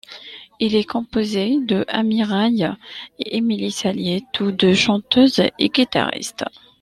Il est composé de Amy Ray et Emily Saliers, toutes deux chanteuses et guitaristes.